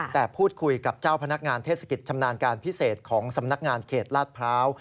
แต่พูดคุยกับเจ้าพนักงานเทศกิจชำนาญการพิเศษของสำนักงานเขตลาดพร้าว